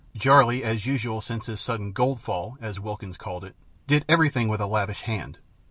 Jarley, as usual since his sudden "gold fall," as Wilkins called it, did everything with a lavish hand.